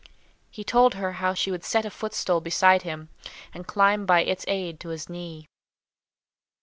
He told her how she would set a footstool beside him, and climb by its aid to his knee.